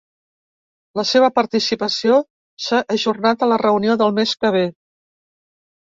La seva participació s’ha ajornat a la reunió del mes que ve.